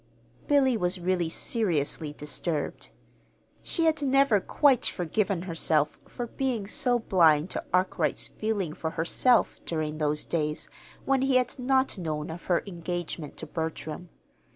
Billy was really seriously disturbed. She had never quite forgiven herself for being so blind to Arkwright's feeling for herself during those days when he had not known of her engagement to Bertram.